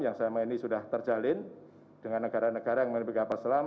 yang selama ini sudah terjalin dengan negara negara yang memiliki kapal selam